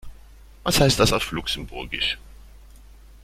Was heißt das auf Luxemburgisch?